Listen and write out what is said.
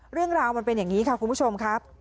เรื่องราวมันเป็นอย่างนี้ค่ะคุณผู้ชมครับ